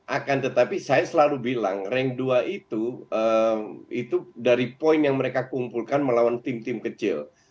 akan tetapi saya selalu bilang rank dua itu dari poin yang mereka kumpulkan melawan tim tim kecil